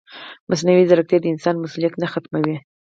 مصنوعي ځیرکتیا د انسان مسؤلیت نه ختموي.